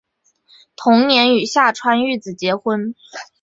同年与下川玉子结婚。